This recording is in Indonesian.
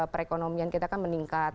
perekonomian kita kan meningkat